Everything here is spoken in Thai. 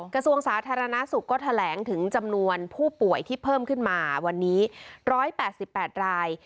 กระทรวงสาธารณสุขก็แถลงถึงจำนวนผู้ป่วยที่เพิ่มขึ้นมาวันนี้๑๘๘ราย